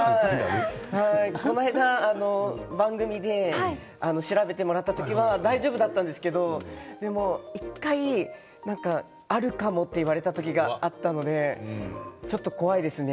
この間、番組で調べてもらった時は大丈夫だったんですけれどでも１回あるかもって言われたことがあったのでちょっと怖いですね。